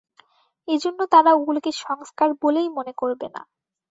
এজন্য তারা ওগুলোকে সংস্কার বলেই মনে করবে না।